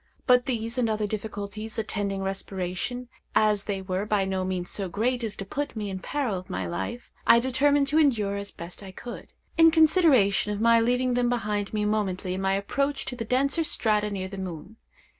But these and other difficulties attending respiration, as they were by no means so great as to put me in peril of my life, I determined to endure as I best could, in consideration of my leaving them behind me momently in my approach to the denser strata near the moon.